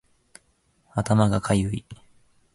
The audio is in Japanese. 頭がかゆい